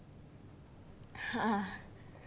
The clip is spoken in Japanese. ああ。